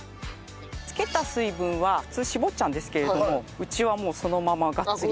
漬けた水分は普通絞っちゃうんですけれどもうちはもうそのままがっつり。